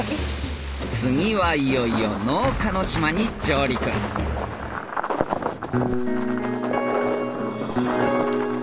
次はいよいよ農家の島に上陸津田寛治